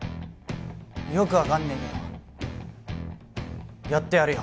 よく分かんねえけどやってやるよ